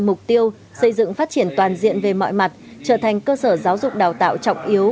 mục tiêu xây dựng phát triển toàn diện về mọi mặt trở thành cơ sở giáo dục đào tạo trọng yếu